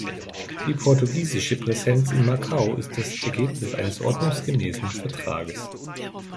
Die portugiesische Präsenz in Macau ist das Ergebnis eines ordnungsgemäßen Vertrags.